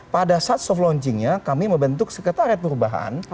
pada saat soft launchingnya kami membentuk sekretariat perubahan